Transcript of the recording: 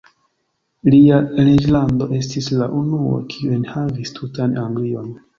Lia reĝlando estis la unua, kiu enhavis tutan Anglion.